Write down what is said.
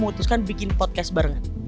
memutuskan bikin podcast barengan